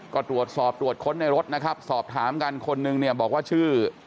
ก็ตรวจสอบตรวจค้นในรถนะครับสอบถามกันคนนึงเนี่ยบอกว่าชื่อ